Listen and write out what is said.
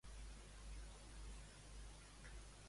Què va contestar Trapero que portarien a terme els Mossos?